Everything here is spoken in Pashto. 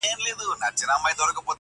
ستا د مړو سترګو کاته زما درمان سي,